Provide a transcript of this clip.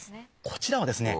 こちらはですね